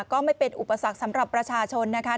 ก็ไม่เป็นอุปสรรคสำหรับประชาชนนะคะ